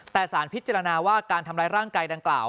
แต่สารพิจารณาว่าการทำร้ายร่างกายดังกล่าว